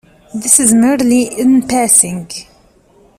This is merely in passing.